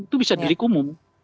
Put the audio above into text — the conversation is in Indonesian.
itu bisa delik umum